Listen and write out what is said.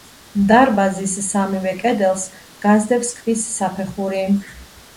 დარბაზის სამივე კედელს გასდევს ქვის საფეხური.